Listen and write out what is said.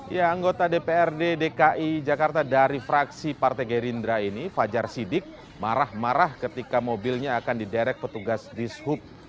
ya anggota dprd dki jakarta dari fraksi partai gerindra ini fajar sidik marah marah ketika mobilnya akan diderek petugas dishub